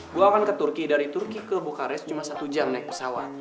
gue akan ke turki dari turki ke bukares cuma satu jam naik pesawat